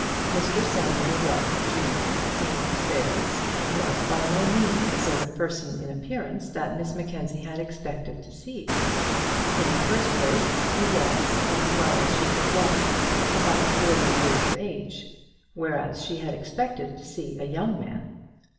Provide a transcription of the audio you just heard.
Mr Samuel Rubb, junior, came upstairs, and was by no means the sort of person in appearance that Miss Mackenzie had expected to see. In the first place, he was, as well as she could guess, about forty years of age; whereas she had expected to see a young man.